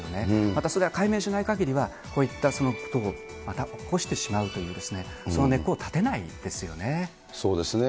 またそれは解明しないかぎりは、こういったことをまた起こしてしまうという、そうですね。